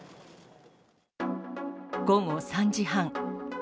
午後３時半。